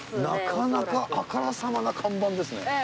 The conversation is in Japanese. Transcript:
なかなかあからさまな看板ですね。